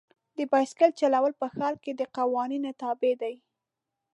د بایسکل چلول په ښار کې د قوانین تابع دي.